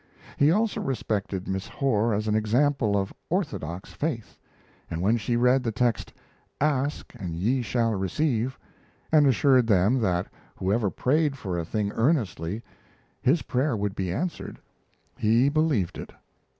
He also respected Miss Horr as an example of orthodox faith, and when she read the text "Ask and ye shall receive" and assured them that whoever prayed for a thing earnestly, his prayer would be answered, he believed it.